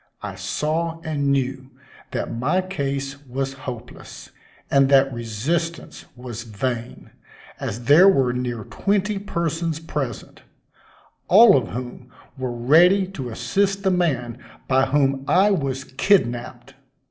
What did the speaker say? I saw and knew that my case was hopeless, and that resistance was vain, as there were near twenty persons present, all of whom were ready to assist the man by whom I was kidnapped.